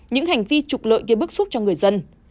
những hành vi trục lợi gây bức xúc cho người dân